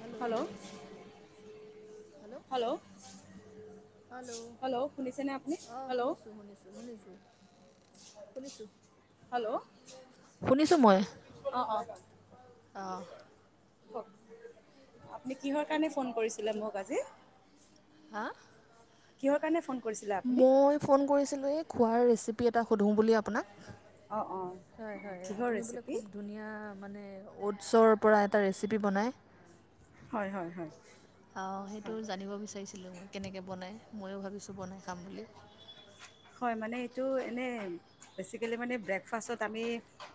Hello hello. Hello hello hello শুনিছেনে আপুনি hello. Hello শুনিছো মই অঁ অঁ আপুনি কিহৰ কাৰণে ফোন কৰিছিলে মোক আজি। হ কিহৰ কাৰণে ফোন কৰিছিলে আপুনি মই ফোন কৰিছিলো এই খোৱাৰ ৰেচিপি এটা সোধোঁ বুলি আপোনাক অঁ অঁ অঁ হয় হয় কিহৰ আপুনি বোলে ৰেচিপি খুব ধুনীয়া মানে অ'টছৰ পৰা এটা ৰেচিপি বনায়। হয় হয় হয় অ সেইটো হয় জানিব বিচাৰিছো। কেনেকৈ বনাই ময়ো ভাবিছোঁ বনাই খাম বুলি। হয় মানে এইটো এনে বেিকেল মানে ব্ৰেকফাষ্ট আমি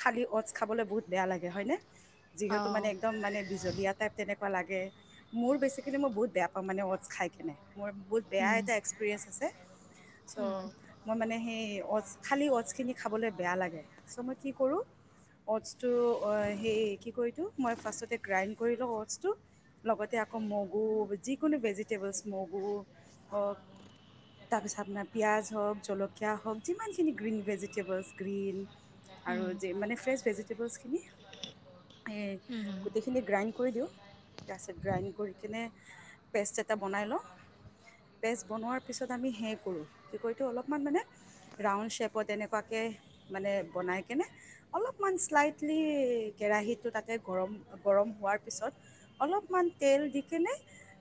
খালি অট খাবলৈ বহুত বেয়া লাগে হয় ন। যিহেতু অঁ মানে একদম মানে বিজলীয়া টাইপ তেনেকুৱা লাগে। মোৰ বেচিকেলি মই বহুত বেয়া পাওঁ মানে, ওচ খাই কেনে? মোৰ বহুত বেয়া হুম এটা এক্সপিৰিয়েঞ্চ আছে ছ'। হুম ম মানে হে‌ অথচ খালি অথচ খিনি খাব লে বেয়া লাগে। কৰো, অথচ টো, কি কয় এইটো ভয় পাছতে গ্ৰাইন কৰি ল ও অথচ টো‌। লগতে যিকোনো ভেজিতেবুলচ মগো, অ পিয়াজ। হওক জলকীয়া হওক যিমানখিনি গ্ৰীণ ভেজিটেবলছ গ্ৰীণ আৰু হুম যে মানে ফ্ৰেছ ভেজিটেবলছখিনি। এ হুম হুম গোটেইখিনি গ্ৰাইন্ড কৰি দিওঁ। তাৰপিছত গ্ৰাইন্ড কৰি কেনে পেষ্ট এটা বনাই লওঁ। পেষ্ট বনোৱাৰ পিছত আমি সেই কৰোঁ, কি কয় টো অলপমান মানে ৰাউণ্ড শ্বেপত এনেকুৱাকে মানে বনাইকেনে, অলপমান শ্লাইটলি কেৰাহীটো তাতে গৰম- গৰম হোৱাৰ পিছত, অলপমান তেল দিকেনে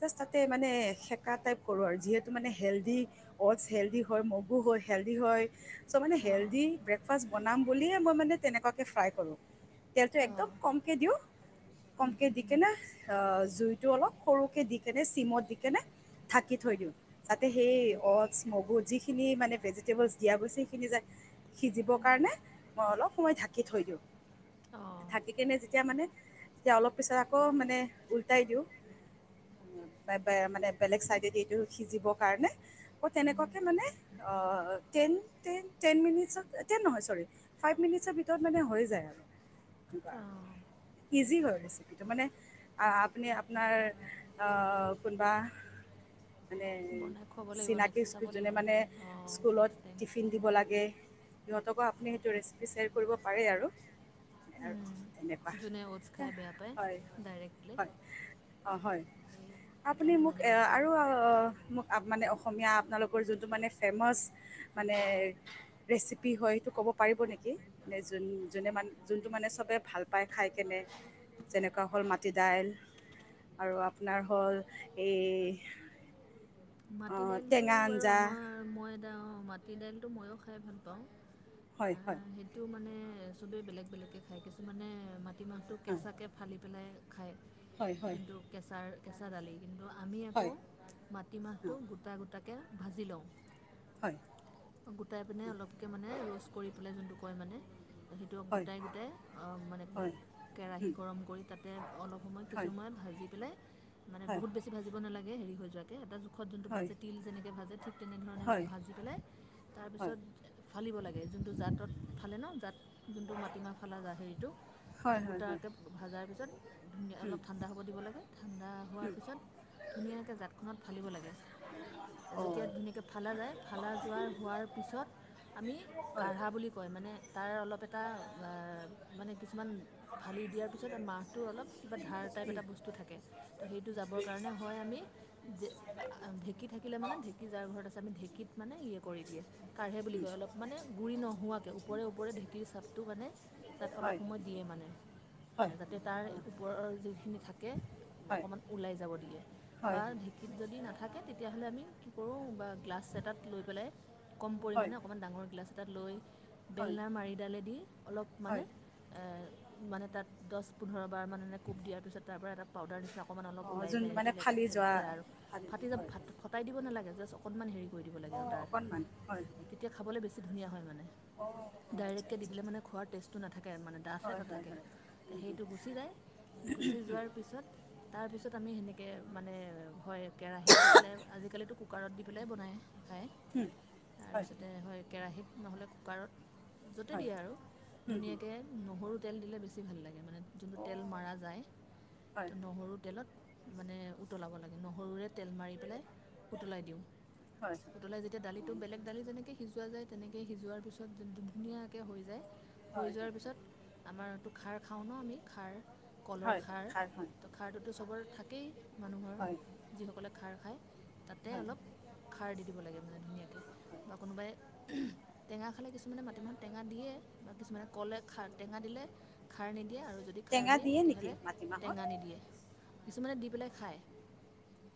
জাষ্ট তাতে মানে সেকা টাইপ কৰোঁ‌ আৰু, যিহেতু মানে হেল্দি- অ'টছ হেল্দি হয়। মগু হয়, হেল্দি হয়। ছো মানে অঁ হেল্দি ব্ৰেকফাষ্ট বনাম বুলিয়ে মই মানে তেনেকুৱাকে ফ্ৰাই কৰোঁ। তেলটো অঁ একদম কমকে দিওঁ। কমকে দিকেনে, অ' জুইটো অলপ সৰুকে দিকেনে, ছিমত দিকেনে ঢাকি থৈ দিওঁ। যাতে সেই অ'টছ, মগু যিখিনি মানে ভেজিটেবলছ দিয়া গৈছে, ‌ সেইখিনি যে সিজিবৰ কাৰণে, মই অলপ সময় ঢাকি থৈ দিওঁ। অঁ ঢাকিকেনে যেতিয়া মানে তেতিয়া অলপ পিছত আকৌ মানে উলটাই দিওঁ। ব- ব- মানে বেলেগ চাইডেদি এইটো সিজিবৰ কাৰণে। আকৌ তেনেকুৱা কে মানে অ'- টেন- টেন- টেন মিনিটছত- টেন নহয় ছৰি, ফাইভ মিনিটছৰ ভিতৰত মানে হৈ যায় আৰু। অঁ ইজি হয়। ৰেছিপিটো মানে অ' আপুনি আপোনাৰ অ' কোনবা মানে বনাই খুৱাব লাগিব চিনাকি নেক্সট চাব দুজনে লাগিব মানে অঁ স্কুলত নেক্সট টাইম টিফিন দিব লাগে। সিহঁতকো আপুনি সেইটো ৰেচিপি শ্বেয়াৰ কৰিব পাৰে আৰু। আৰু তেনেকুৱা। যোনে অ'টছ খাই বেয়া পায় হয় - হয় ডাইৰেক্টলি - হয়। অ' হয়। আপুনি সেইকাৰণে মোক জানিব এয়া- আৰু বিচাৰিলোঁ অ' মোক আপ- মানে অসমীয়া আপোনালোক ৰ যোনটো মানে ফেমাছ, মানে ৰেচিপি হয় সেইটো ক'ব পাৰিব নেকি? নে যোন- যোনে মান- যোনটো মানে চবে ভাল পায় খাইকেনে, যেনেকুৱা হ'ল মাটি দাইল, আৰু আপোনাৰ হ'ল এই মাটি আহ, দাইলটো টেঙা বাৰু আঞ্জা আমাৰ মই এদা অ' মাটি দাইলটো ময়ো খাই ভাল পাওঁ। হয় - হয়। এ চবে বেলেগ - বেলেগকে খায়। কিছুমানে মা টিমাহটো হয় কেঁচাকে ফালি পিনে খায়। হয় হয় যোনটো কেঁচাৰ কেঁচা দালি কিন্ত আমি আকৌ হয় মাটিমাহ অ, গোটা-গোটাকে ভাজি লওঁ। হয় গোটাইপিনে অলপকে মানে ৰোষ্ট কৰি পেলাই, যোনটো কয় মানে সেইটো হয় গোটাই - গোটাই অ' মানে হয় কেৰাহী উম, গৰম কৰি তাতে অলপ সময় কিছু হয় সময় ভাজি পেলাই মানে হয় বহুত বেছি ভাজিব নালাগ কে হেৰি হৈ যোৱাকে, এটা মুখত যোনটো হয় ভাজে তিল যেনেকৈ ভাজে ঠিক তেনেধৰণে অলপ হয় ভাজি পেলাই হয় তাৰপিছত ফালিব লাগে যোনটো জাতত ফালে ন জাত যোনটো মাটিমাহ ফালা জ হেৰিটো হয় হয় হয় গোটাকৈ ভাজাৰ পিছত ধুনীয়া উম, অলপ ঠাণ্ডা হ'ব দিব লাগে ঠাণ্ডা হোৱাৰ পিছত ধুনীয়াকৈ জাতখনত লাগে অ যেতিয়া ধুনীয়াকৈ ফালা যায়, পাৰা যায় হোৱাৰ পাছত আমি হয় কাৰহা বুলি কয় মানে ত অলপ এ মান কিছুমান ফালি দিয়াৰ পিছত মাহটো অলপ কিবা ধাৰ টাইপ উম, এটা বস্তু থাকে তো সেইটো যাবৰ কাৰণে হয় আমি, যে ঢেঁকী থাকিলে মানে ঢেঁকী যাৰ ঘৰত আছে আমি। ঢেঁকিত মানে ইয়ে কৰি দিয়ে কাঢ়ে বুলি কয় অলপ মানে গুৰি নোহোৱাকৈ ওপৰে ওপৰে ঢেঁকীৰ চাপটো মানে তাত অলপ হয় সময় দিয়ে মানে হয় যাতে তাৰ ওপৰৰ যিখিনি থাকে হয় অকণমান ওলাই যাব দিয়ে বা হয় যদি নাথাকে তেতিয়াহ'লে আমি কি কৰোঁ বা গ্লাছ এটাত লৈ পেলাই কম হয় পৰিমাণে অকণমান ডাঙৰ গ্লাছ তালৈ হয় বেলনা মাৰিডালে দি অলপ মানে হয় মানে তাত দহ পোন্ধৰ এাৰানে এে কোপ দিয়াৰ পিছত তাৰৰা এটা পাউাৰ নিচনা অকণমান অলপ অঁ ওলাই যোন যায়েইটো মানে ফালি লেতে যোৱা লেতে আৰু ফালি ফাটি যাব ভ ফটাই দিব নালাগে। অকণমান হেৰি কৰি দিব অ অকণমান হয় বছি ধুনীয়া হয় মানে অঁ আচ্ছা ডাইৰেক্টকে দি আচ্ছা দিলে মানে খোৱাৰ টেষ্টটো নাথাকে মানে ডাঠ আচ্ছা হয় এটা হয় থাকে হয় উম, উম, সেইটো গুচি যায় গুচি যোৱাৰ পিছত তাৰপিছত আমি সেনেকে মানে হয় কেৰাহীত দি পেলাই আজিকালো কুকাৰত দি পেলাই বনায় খায় হয় তাৰপিছতে হয় কেৰাহীত নহ'লে কুকাৰত য'তে হয় দিয়ে আৰু উম, উম, ধুনীয়াকৈ নহৰু তেল দেছি ভাল লাগে মানে যোনটো অঁ তেল মৰা যায় হয় তো নহৰু তেলত মানে উতলাব লাগে লাগে নহৰুৰে তেল মাৰি পেলাই উতলাই দিওঁ হয় হয় অঁ উতলাই যেতিয়া দালিটো বেলেগ দালি যেনেকৈ সিজোৱা যায় তেনেকৈ সিজোৱাৰ পিছত ধুনীয়াকৈ হৈ যায় হৈ হয় যোৱাৰ হয় হয় পিছত আমাৰ খাৰ খাওঁ ন আমি খাৰ কলৰ হয় হয় খাৰ হয় তো খাৰটোতো চবৰ থাকে তাকেই মান হয় যিসকলে খাৰ খায় তাতে হয় হয় অলপ খাৰ দি ল মান ধু কোনো খালে কিছুমানে মাটিমাহত টেঙা দিয়ে বাছুমানে কলে টেঙা দিলে খাৰ নি দিয়ে আৰু যদি খাৰ টেঙা দিয়ে নেকি তেতিয়াহ'লে মাটিমাহত টেঙা নিদিয়ে। কিছুমানে দি পেলাই খায়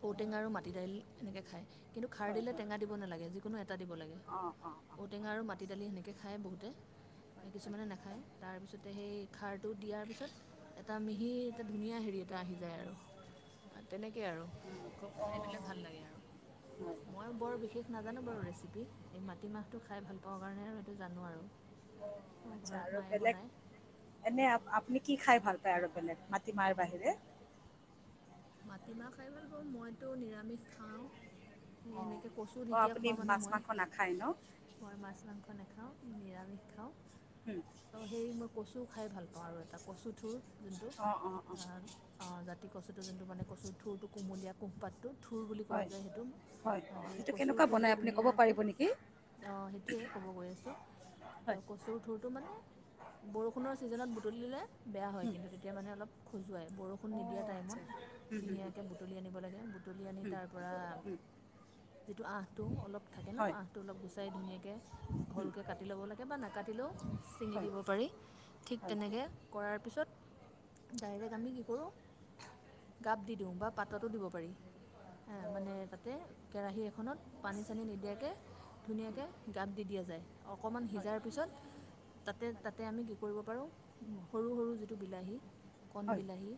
ঔটেঙা আৰু মাটি দাইল এনেকৈ খায় কিন্তু খাৰ হয় দিলে হয় টেঙা দিব নালাগে যিকোনো এটা দিব লাগে অঁ অঁ অঁ ঔটেঙা আৰু মি দালি সেনেকে খায় বহুতে হয় হয় কিছুমানে নাখায় হয় তাৰপিছতে সেই খাৰটো দিয়াৰ পিছত এটা মিহি এটা ধুনীয়া হেৰি এটা আহি যায় আৰু তেনেকেই আৰু খুব অঁ খাই পেলাই ভাল লাগে আৰু হয় হয় অঁ মই বৰ বিশেষ নাজানো বাৰু ৰেচিপি এই মাটিমাহটো খাই ভাল পাওঁ কাৰণে আৰু এইটো জানো আৰু অ আচ্ছা ঘৰত আৰু মায়ে বেলেগ বনায় এনে আপুনি কি খাই ভাল প প আৰু বেলে মাটি মাৰ বাহিৰে। মাটিমাহ খাই বুলি কওঁ মইতো নিৰামিষ খাওঁ সেই অঁ এনেকে কচো অঁ ঢেকীয়া আপুনি খোৱা মানুহ মাছ মই মাংস নাখায় ন মই মাছ মাংস ন খাওঁ নিৰামিষ খাওঁ হুম, অ সেই মই কছো খাই ভাল পাওঁ আৰু এটা কচু থোৰ যোনটো অঁ অঁ অঁ জাতি কচ যোনটো মানে কচুৰ ঢোৰৰটো কুমলীয়া কোহপাতটো। থঠোৰ বুলি কোৱা হয় যায় সেইটো হয় অঁ, সেই সেইটো কচুৰ কেনেকুৱা থুৰটো বনাই আপুনি ক'ব ধুনীয়াকৈ পাৰিব নেকি সেইটোৱেই ক'ব গৈ আছোঁ তো হয় কচুৰ থঠোৰটো মানে বৰষুণৰ ছিজনত বুটলি দিলে বেয়া হয় হুম, কিন্তু তেতিয়া মানে অলপ খোজুৱাই। বৰষুণ নিদিয়াৰ অঁ আচ্ছা টাইমত হুম, হুম, হুম, ধুনীয়াকৈ বুটলি আনিব লাগে বুটলি আনি তাৰ পৰা যিটো আঁঠটো অলপ থাকে ন হয় আঁঠটো অলপ চাই ধুনিয়াকে সৰুকৈ কাটি ল'ব লাগে বা নাকাটিলেও ছিঙি হয় দিব পাৰি ঠিক হয় হয় তেনেকৈ কৰাৰ পিছত ডাইৰেক্ট আমি কি কৰোঁ গাপ দি দিওঁ বা পাততো দিব পাৰি আহ মানে তাতে কেৰাহী এখনত পানী চানী নিদিয়াকৈ ধুনীয়াকৈ গাত দি দিয়া যায় অকণমান হয় সিজাৰ পিছত তাতে তাতে আমি কি কৰিব পাৰোঁ সৰু সৰু যিটো বিলাহী। হয় কণবিলাহী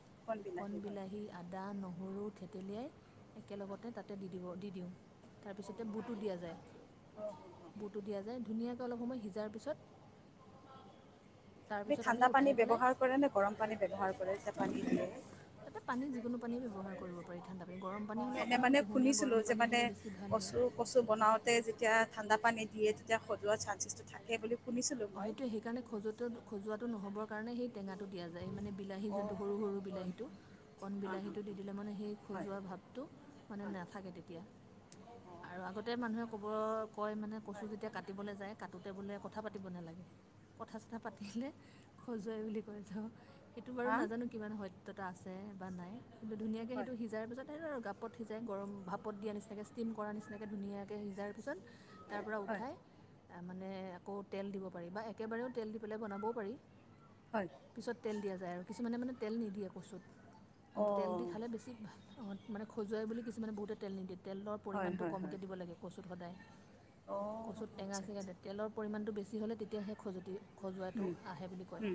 কণ বিলাহী আদা নহৰু থেতেলিয়াই একেলগতে তাতে দি দিব দি দিওঁ তাৰপিছতে বুটটো দিয়া যায়। অঁ, অঁ, অঁ। বুতো দিয়া যায় ধুনীয়া। অলপ সময় সিজাৰ পিছত তাৰপিছত আমি ঠাণ্ডা পানী উঠাই পেলাই ব্যৱহাৰ কৰে নে গৰম পানী ব্যৱহাৰ কৰে যে পানী দিয়ে তাতে পানী যিকোনো পানী ব্যৱহাৰ কৰিব পাৰি, ঠাণ্ডা পানী, গৰম অ পানী, হ'লে এনে অকণমান মানে কুহুমীয়া শুনিছিলো গৰম যে পানী মানে হ'লে বেছি ভাল হয়। কচু কচু বনাওতে যেতিয়া ঠাণ্ডা পানী দিয়ে তেতিয়া খজুৱা চান্ঞ্চেছটো থাকে বুলি শুনিছিলো অ মই সেইটোৱে সেইকাৰণে খজুওৱাত নখ নহ'বৰ কাৰণে সেই টেঙাটো দিয়া যায়, এই মানে বিলাহী অ যোনটো সৰু সৰু বিলাহীটো, কণ বিলাহীটো দি দিলে মানে সেই হয় খজোৱা ভাৱটো মানে নাথাকে তেতিয়া। আৰু আগতে মানুহে ক'ব। কয় মানে কচু যেতিয়া কাটিবলৈ যায় কাটোতে বোলে কথা পাতি পাতিব নালাগে কথা চথা পাতিলে খজুৱাই বুলি কয় ত সেইটো বাৰু অ নাজানো কিমান হয়। ত আছে বা নাই ধুনীয়াকে হয় সিজাৰ পিছত আৰু গাপত সিজাই গৰম ভাপত দিয়া নিচিনাকৈ ষ্টিম কৰ নিচিনাকৈ ধুনীয়াকৈ সিজাৰ পিছত তাৰ পৰা উঠাই মানে আকৌ তেল দিব পাৰি বা একেবাৰেও তেল দি পেলাই বনাবও পাৰি হয় পিছত তেল দিয়া। যায় আৰু কিছুমানে মানে তেল নিদিয়ে কচুত অ কিন্তু তেল দি খালে বেছি ভাল। মানে খজুৱাই বুলি কিছুমানে বহুতে তেল নিদিয়ে তেলৰ হয় হা হয় হয় হয় অ হয় পৰিমাণটো হয় কমকৈ হয় দিব লাগে কচুত সদায় অ কচুত টেঙা আচ্ছা আছেগেয়া আচ্ছা অ তেলৰ পৰিমাণতটো বেছি ছি হ'লে তেতিয়াহে খজতি খজোৱাটো আহে বুলি কয়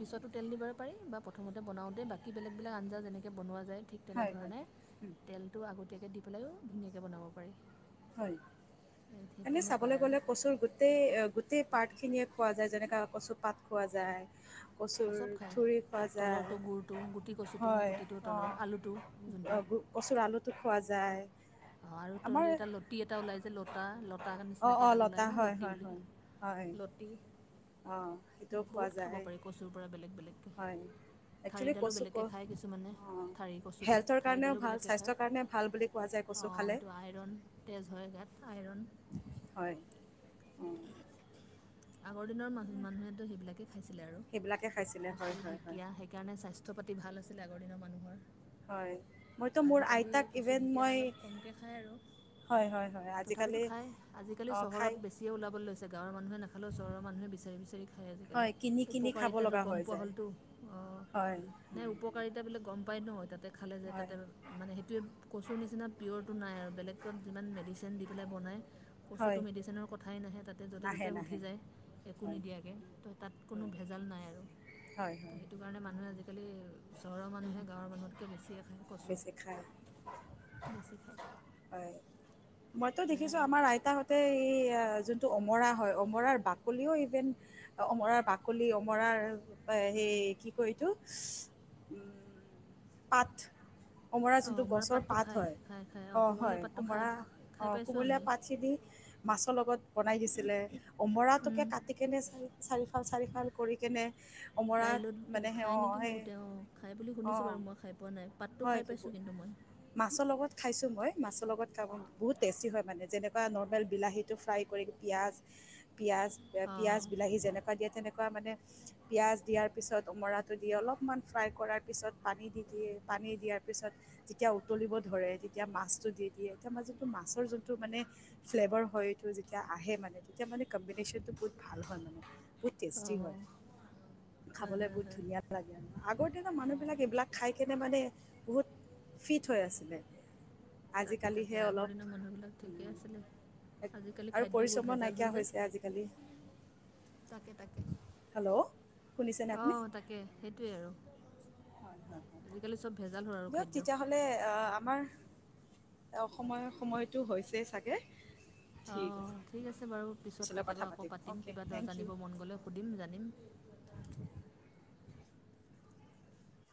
পিছতো তেল নিব পাৰি বা প্ৰথতে বনাওঁতে বী বেগোক আঞ্জা যেনেক বনোৱা যায় ঠিক হয় হয় তেনেধৰণে হুম তেল আগ পেকেট দি পেলাইও ধুনীয়াকৈ বনাব পাৰি হয় এই ঠিক এনেই তেনেকুৱাই চাবলৈ আৰু গ'লে প্ৰচুৰ গোট গোটেই গোটেই পাত খিনিয়ে খোৱা যায় যেনেকা কচু পাত খোৱা যায়। কচুৰ আৰু চব খায় উৰি খোৱা যায় তলৰটো গুৰটো গুটি কচুটো হয় গুটিটো তলৰ অঁ আলুটো কচুৰ আলুটো খোৱা যায়। অ আৰু আমাৰ তলি এটা ল লুটতি এটা ওলাই যে লতা লতাৰ অ অ নিচিনাকৈ এডাল ওলায় লতা ন লতি বুলি কয় লতি অঁ সেইটোও খোৱা বহুত খাব যায়। পাৰি কচুৰ পৰা বেলেগ বেলেগকৈ হয়েল ক ঠাৰিডালো ক বেলেগকৈ খায় কিছুমানে অ ঠাৰি কচুটো হেল্থৰ কাৰণেও ভাল স্বাস্থ্যৰ কাৰণে ভাল বুলি কোৱা যায়। অ কচু খালে এইটো আইৰন তেজ হয় গাত আইৰণ হয় অঁ আগৰ দিনৰ ম মানুহেতো সেইবিলাকেই খাইছিলে আৰু সেইবিলাকে খাইছিলে হয় কচু হয় হয় ঢেঁকীয়া সেইকাৰণে স্বাস্থ্য অৰ্থ পাতি ভাল আছিলে আগ দিনৰ মানুহৰ হয় মইতো মোৰ আজিকালি আইতাকভ কচু ঢেকীয়া মই অলপ কমকৈ খায় আৰু হয় হয় আজিকালি অ খায়। কেতিয়া ওলাব লৈছে গাঁৱৰ মানুহে নাখালেও চহৰৰ মানুহে বিচাৰি বিচাৰি খায় আজিকালি হয় কিনি কিনি খাব উপকাৰিতাটো লগা গম হৈ পোৱা যায় হ'লতো অ হয় নাই উপকাৰিতা বিলাক গম প উপায় নহ ত খালে যে হয় তাতে মানে সেইটোৱে কচুৰ নিচিনা পিয়'ৰটো নাই আৰু বেলেগ ত যিমান মেডিচিন দি পেলাই বনায়। কচুটো হয় মেডিচিনৰ কথাই নাহে তাতে য'তে ত'তে নাহে সুঠি নাহে যায় একো হয় নিদিয়াকৈ তো তাত কোনো হয় ভেজাল নাই আৰু হয় তো হয় সেইটো কাৰণে মানুহে আজিকালি চহৰৰ মানুহে গাঁৱৰ মানুহতকৈ বেছিয়ে খায় কচু বেছি খায় বেছি খায় হয় মইতো সেয়াই দেখিছোঁ আৰু আমাৰ আইতাহঁতে এই যোনটো অমৰা হয় অমৰাৰ বাকলিও ইভেন অমৰাৰ বাকলি অমৰাৰ সেই কি কয় এইটো পাত অমৰা অঁ যোনটো গছৰ পাতটো পাত খায় হয় খায় খায় অঁ অ কোমলীয়া হয় পাতটো খায় অমৰা খাই অ পাইছোঁ কুমলীয়া আমি পাতখিনি মাছৰ লগত বনাই দিছিলে অমৰাটোকে কাটিিকনে চি চাৰিফাল চাৰিফাল কৰি কেনে উ। দাইলত খায় নেকি বহুতে অঁ খাই বুলি শুনিছোঁ অঁ বাৰু মই খাই পোৱা নাই পাতটো খাই পাইছোঁ হয় কিন্তু মই মাছৰ লগত খাইছোঁ মই মাছৰ লগত খা বহুত টেষ্টি হয় মানে যেনেকুৱা নৰ্মেল বিলাহীটো ফ্ৰাই কৰি পিঁয়াজ পিয়য়াজ অঁ পিয়য়াজ বিলাহী যেনেকুৱা দিয়ে তেনেক নো মানে পিঁয়াজ দিয়াৰ পিছত উমৰাটো দিয়ে অলপমান ফ্ৰাই কৰাৰ পিছত পানী দি দিয়ে পানী দিয়াৰ পিছত যেতিয়া উতলিব ধৰে তেতিয়া মাছটো দি দিয়ে এতিয়া ম যোনটো মাছৰ যোনটো মানে ফ্লেভাৰ হয়টো যেতিয়া আহে মানে তেতিয়া মানে কম্বিনেশ্যনটো বহুত ভাল হয় মানে খুব টেষ্টি অঁ হয় হয় খাবলৈ হয় বহুত হয় ধুনীয়া লাগে আৰু আগৰতেো মানুহ অঁ বিিলাক এইবিলাক খাই কেনে মানে বহুত ফিট হৈ আছিলে তাকে তাকে আজিকালিহে আগৰ অলপ দিনৰ মানুহবিলাক ঠিকেই আছিলে আজিকালি আৰু খাদ্যবোৰ পৰিশ্ৰমৰ ভেজাল নাইকিয়া হ'ল যে হৈছে আজিকালি তাকে তাকে। হেল্ল' শুনিছেনে অ আপুনি তাকে সেইটোয়ে। ৰ আৰু দিয়ক খাদ্য তেতিয়া হলে আহ আমাৰ অসময় সময়তটো হৈছেই চাগে ঠিক অঁ আছে ঠিক আছে বাৰু পিছত পিছলৈ কথা কেতিয়াবা আকৌ পাতিম অ'কে কিবা থেংক ইউ জানিব মন গ'লে সুধিম জানিম।